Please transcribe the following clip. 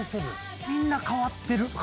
みんな変わってる。